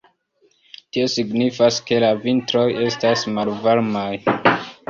Tio signifas ke la vintroj estas malvarmaj.